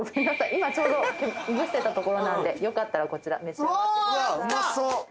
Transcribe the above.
今ちょうど燻してたところなんでよかったらこちら召し上がってください